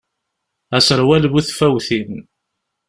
Aserwal bu tfawtin.